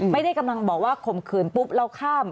ไม่ได้กำลังบอกว่าข่มขืนปุ๊บเราข้าม